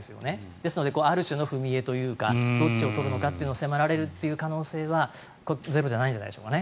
ですのである種の踏み絵というかどっちを取るのか迫られる可能性はゼロじゃないんじゃないでしょうか。